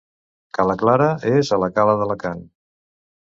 Ca la Clara és a la cala d'Alacant.